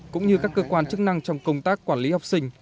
cũng như các cơ quan chức năng trong công tác quản lý học sinh